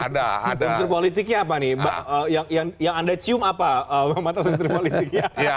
unsur politiknya apa nih yang anda cium apa